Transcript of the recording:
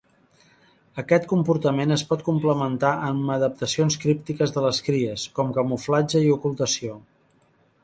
Aquest comportament es pot complementar amb adaptacions críptiques de les cries, com camuflatge i ocultació.